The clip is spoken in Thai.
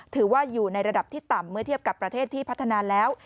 ถือว่าอยู่ในระดับที่ต่ำเมื่อเทียบกับประเทศที่พัฒนาแล้ว